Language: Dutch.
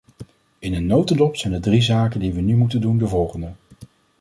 In een notendop zijn de drie zaken die we nu moeten doen, de volgende.